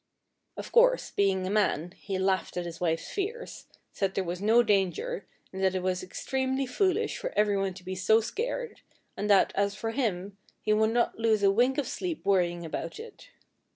"Of course, being a man, he laughed at his wife's fears, said there was no danger, and that it was extremely foolish for everyone to be so scared, and that, as for him, he would not lose a wink of sleep worrying about it.